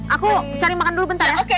aku cari makan dulu bentar ya